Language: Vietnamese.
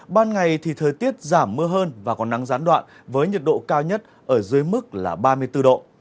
ban ngày thì thời tiết giảm mưa hơn và còn nắng gián đoạn với nhiệt độ cao nhất ở dưới mức là ba mươi bốn độ